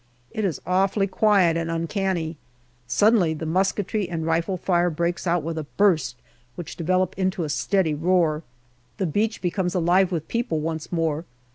It is awfully quiet and uncanny. Suddenly the musketry and rifle fire breaks out with a burst which develops into a steady roar. The beach becomes alive with people once more.